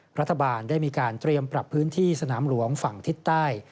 รัฐบาลได้มีการเตรียมปรับพื้นที่สนามหลวงฝั่งทิศใต้